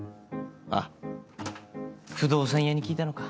あっ不動産屋に聞いたのか。